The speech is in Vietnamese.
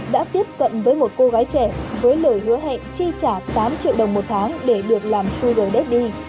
đã tiếp cận với một cô gái trẻ với lời hứa hẹn chi trả tám triệu đồng một tháng để được làm sugate